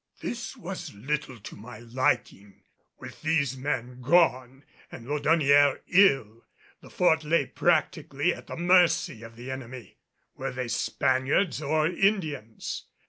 This was little to my liking. With these men gone and Laudonnière ill, the Fort lay practically at the mercy of the enemy, were they Spaniards or Indians.